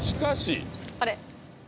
あれ？